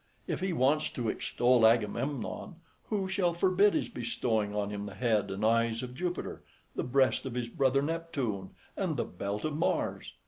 If he wants to extol Agamemnon, who shall forbid his bestowing on him the head and eyes of Jupiter, the breast of his brother Neptune, and the belt of Mars?